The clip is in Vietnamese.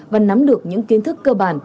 và nắm được những kiến thức cơ bản